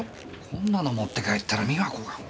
こんなの持って帰ったら美和子が。